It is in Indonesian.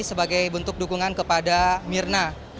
sebagai bentuk dukungan kepada mirna